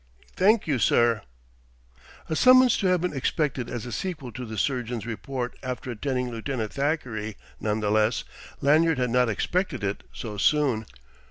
"'Nk you, sir." A summons to have been expected as a sequel to the surgeon's report after attending Lieutenant Thackeray; none the less, Lanyard had not expected it so soon.